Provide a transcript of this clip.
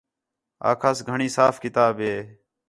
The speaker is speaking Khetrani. آکھاس گھݨی صاف کتاب ہِے